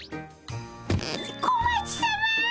小町さま！